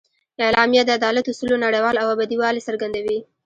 اعلامیه د عدالت اصولو نړیوال او ابدي والي څرګندوي.